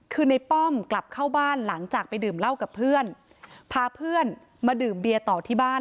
คือในป้อมกลับเข้าบ้านหลังจากไปดื่มเหล้ากับเพื่อนพาเพื่อนมาดื่มเบียร์ต่อที่บ้าน